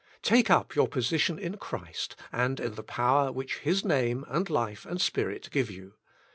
Take up your position in Christ, and in the power which His Name, and Life and Spirit give you.